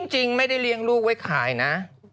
จริงไม่ได้เลี้ยงลูกไว้ขายนะ